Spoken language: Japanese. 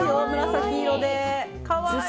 紫色で。